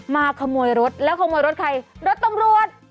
มาขโมยรถแล้วขโมยรถใครรถตำรวจ